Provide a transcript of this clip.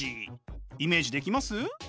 イメージできます？